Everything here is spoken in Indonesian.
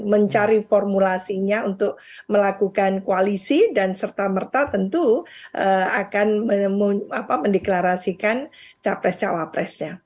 mencari formulasinya untuk melakukan koalisi dan serta merta tentu akan mendeklarasikan capres cawapresnya